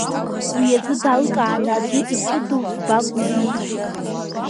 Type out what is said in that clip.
Уи азы далкааны аӡәы иҷыдоу вбак узиҭом.